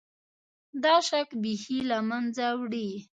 دا شک بیخي له منځه وړي.